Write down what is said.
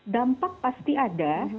dampak pasti ada